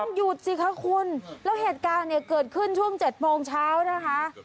หยุดสิคะคุณแล้วเหตุการณ์เนี่ยเกิดขึ้นช่วง๗โมงเช้านะคะ